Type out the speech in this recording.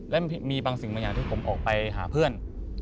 และมีบางสิ่งบางอย่างที่ผมออกไปหาเพื่อน